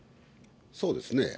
そうですね。